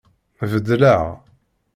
Beddleɣ.